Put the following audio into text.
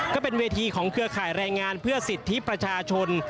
ก็เป็นเวทีของเครือข่ายแรงงานเพื่อสิทธิประชาชน